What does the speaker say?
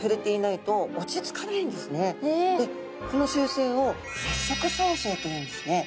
この習性を接触走性というんですね。